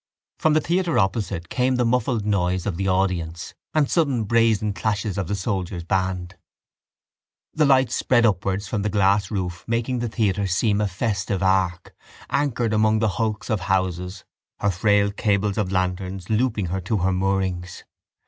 From the theatre opposite came the muffled noise of the audience and sudden brazen clashes of the soldiers' band. The light spread upwards from the glass roof making the theatre seem a festive ark, anchored among the hulks of houses, her frail cables of lanterns looping her to her moorings.